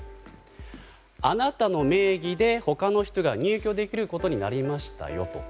あなたの名義で他の人が入居できることになりましたと。